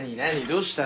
どうした？